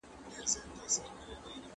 ډیپلوماسي د عزت نښه ده.